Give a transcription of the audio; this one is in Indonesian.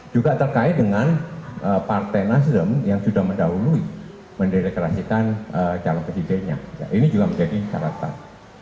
juga terkait dengan partai nasdem yang sudah mendahului menderekrasikan calon presidennya ini juga menjadi syaratan